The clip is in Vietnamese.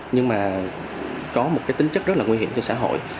nhưng mà có một cái tính chất rất là nguy hiểm cho xã hội